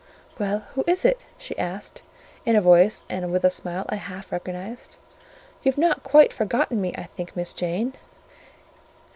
"Well, who is it?" she asked, in a voice and with a smile I half recognised; "you've not quite forgotten me, I think, Miss Jane?"